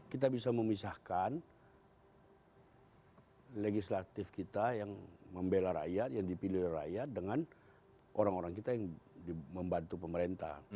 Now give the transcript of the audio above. kita bisa memisahkan legislatif kita yang membela rakyat yang dipilih rakyat dengan orang orang kita yang membantu pemerintah